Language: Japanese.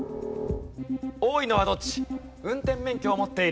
多いのはどっち？